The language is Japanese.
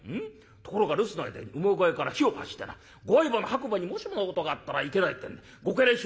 ところが留守の間に馬小屋から火を発してなご愛馬の白馬にもしものことがあったらいけないってんでご家来衆